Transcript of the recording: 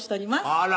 あら